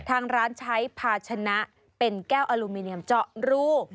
ทางร้านใช้ภาชนะเป็นแก้วอลูมิเนียมเจาะรู